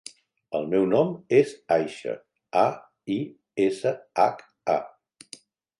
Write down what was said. El meu nom és Aisha: a, i, essa, hac, a.